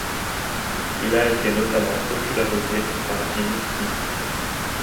Il a été notamment popularisé par Jimmy Smith.